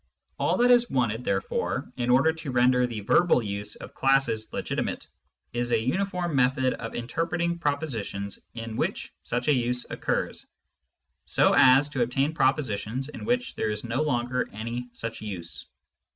All that is wanted, therefore, in order to render the verbal use of classes legitimate, is a uniform method of interpreting propositions in which such a use occurs, so as to obtain propositions in which there is no longer any such use.